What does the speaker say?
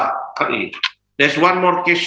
ada satu pertanyaan lagi